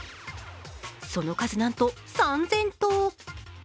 その数なんと３０００頭。